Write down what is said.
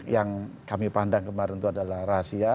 yang kami pandang kemarin itu adalah rahasia